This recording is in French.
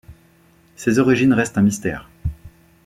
Ses origines restent un mystère.